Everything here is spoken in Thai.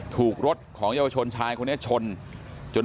ถูกรถของเยาวชนชายคนนี้ชนจน